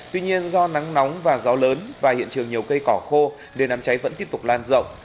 tuy nhiên do nắng nóng và gió lớn và hiện trường nhiều cây cỏ khô nên đám cháy vẫn tiếp tục lan rộng